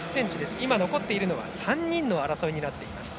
今、残っている３人の争いになっています。